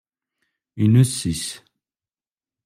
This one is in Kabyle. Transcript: Inessis.